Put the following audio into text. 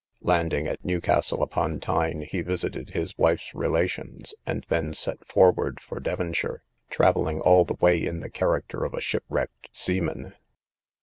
Landing at Newcastle upon Tyne, he visited his wife's relations, and then set forward for Devonshire, travelling all the way in the character of a shipwrecked seaman.